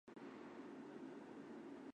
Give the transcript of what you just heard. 阿讷西站位于阿讷西市区内。